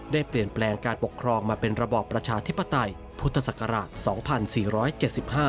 ได้เปลี่ยนแปลงการปกครองมาเป็นระบอบประชาธิปไตยพุทธศักราช๒๔๗๕